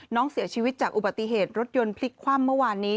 น้องเสียชีวิตจากอุบัติเหตุรถยนต์พลิกคว่ำเมื่อวานนี้